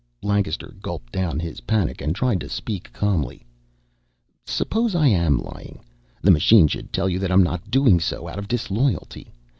Lancaster gulped down his panic and tried to speak calmly. "Suppose I am lying. The machine should tell you that I'm not doing so out of disloyalty.